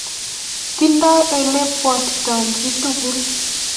Tindo elepwatito chi tukul